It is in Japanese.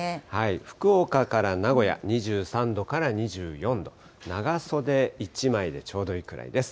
福岡から名古屋、２３度から２４度、長袖１枚でちょうどいいくらいです。